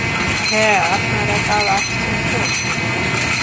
হ্যাঁঁ আপনারা কাল আসছেন তো?